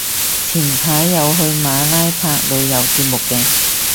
前排有去馬拉拍旅遊節目嘅